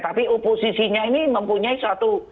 tapi oposisinya ini mempunyai suatu